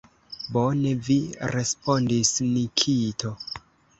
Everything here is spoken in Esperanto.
Bone vi respondis, Nikito!